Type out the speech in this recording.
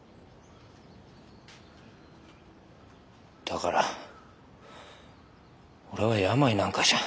だから俺は病なんかじゃ。